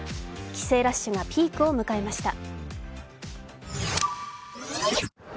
帰省ラッシュがピークを迎えました。